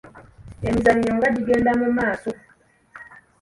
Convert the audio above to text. Emizannyo nga gigenda mu maaso.